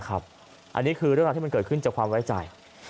อันนี้คือเรื่องราวที่มันเกิดขึ้นจากความไว้ใจ